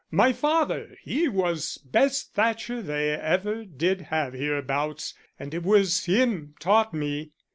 My father he was best thatcher they ever did have hereabouts, and it was him taught me."